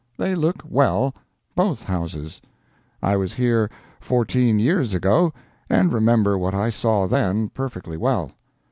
They look well—both houses. I was here fourteen years ago, and remember what I saw then, perfectly well.